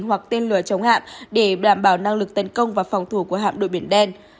hoặc tên lửa chống hạm để đảm bảo năng lực tấn công và phòng thủ của hạm đội biển đen